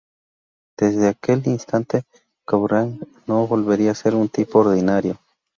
Desde aquel instante Kurogane no volvería a ser un tipo ordinario.